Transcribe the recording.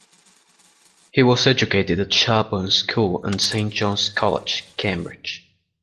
He was educated at Sherborne School and Saint John's College, Cambridge.